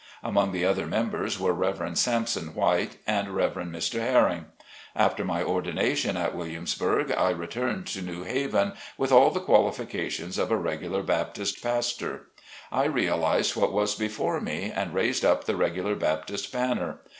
Among the other members were Rev. Sampson White, and Rev. Mr. Herring. After my CHURCH WORK. 51 ordination at Williamsburgh I returned to New Haven, with all the qualifications of a regular Baptist pastor. I realized what was before me, and raised up the regular Baptist banner.